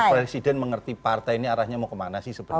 presiden mengerti partai ini arahnya mau kemana sih sebenarnya